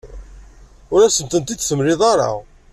Ur asent-tent-id-temliḍ ara.